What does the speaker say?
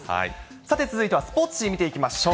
さて、続いてはスポーツ紙、見ていきましょう。